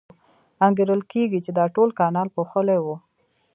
انګېرل کېږي چې دا ټول کانال پوښلی و.